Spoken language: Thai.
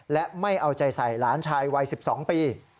และไม่เอาใจใส่หลานชายวัย๑๒ปี